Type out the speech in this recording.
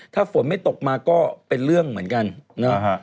ถ้าฝนไม่ตกมาก็เป็นเรื่องเหมือนกันนะฮะ